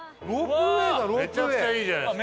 めちゃくちゃいいじゃないですか。